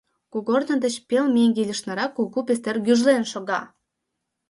Кугорно деч пел меҥге лишнырак кугу пистер гӱжлен шога.